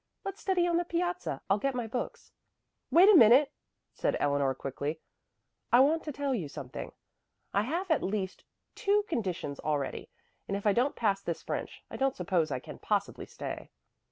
Let's study on the piazza. I'll get my books." "Wait a minute," said Eleanor quickly. "I want to tell you something. I have at least two conditions already, and if I don't pass this French I don't suppose I can possibly stay."